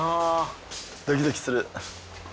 ドキドキする。